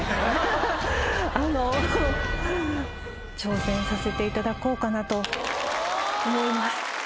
挑戦させていただこうかなと思います。